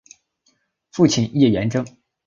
父亲叶原贞。